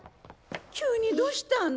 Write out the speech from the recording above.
急にどうしたの？